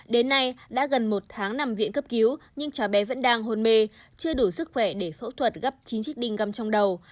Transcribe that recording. đến nay đã gần một tháng nằm viện cấp cứu nhưng cháu bé vẫn đang hôn mê chưa đủ sức khỏe để phẫu thuật gấp chín chiếc đinh găm trong đầu